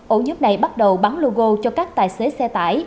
ổn nhất này bắt đầu bán logo cho các tài xế xe tải